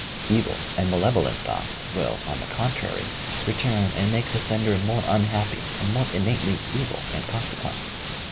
Evil and malevolent thoughts will, on the contrary, return and make the sender more unhappy and more innately evil in consequence.